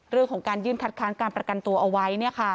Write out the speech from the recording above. เรื่องของการยื่นคัดค้านการประกันตัวเอาไว้